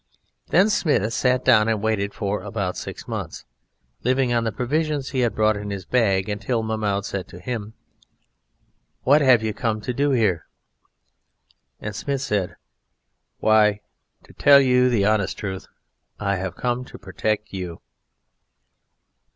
Then Smith sat down and waited for about six months, living on the provisions he had brought in his bag, until Mahmoud said to him: "What have you come to do here?" And Smith said: "Why, to tell you the honest truth, I have come to protect you."